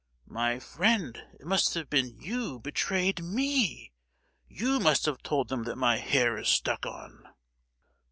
"My friend, it must have been you betrayed me! you must have told them that my hair is stuck on?"